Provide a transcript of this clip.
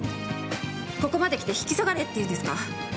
ここまで来て引き下がれっていうんですか？